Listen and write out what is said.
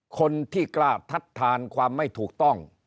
คนที่กล้าทัดทานความไม่ถูกต้อง